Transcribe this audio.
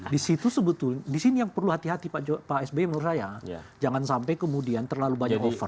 di situ sebetulnya di sini yang perlu hati hati pak sby menurut saya jangan sampai kemudian terlalu banyak over